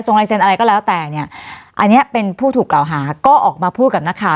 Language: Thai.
ลายเซ็นต์อะไรก็แล้วแต่เนี่ยอันนี้เป็นผู้ถูกกล่าวหาก็ออกมาพูดกับนักข่าว